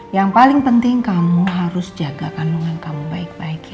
yang paling penting kamu harus jaga kandungan kamu baik baik